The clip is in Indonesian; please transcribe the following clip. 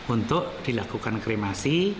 untuk dilakukan kremasi